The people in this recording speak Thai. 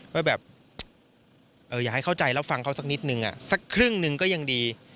ว่าแบบอยากให้เข้าใจแล้วฟังเขาสักนิดนึงสักครึ่งหนึ่งก็ยังดี